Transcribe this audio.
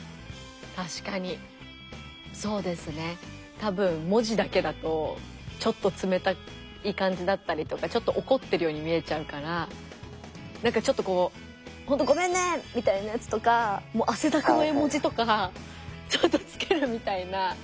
多分文字だけだとちょっと冷たい感じだったりとかちょっと怒ってるように見えちゃうからなんかちょっとこう「ほんとごめんね！」みたいなやつとか汗だくの絵文字とかちょっとつけるみたいな。